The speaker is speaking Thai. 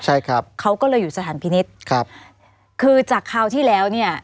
ใช่ครับเขาก็เลยอยู่สถานพินิษฐ์ครับคือจากคราวที่แล้วเนี่ย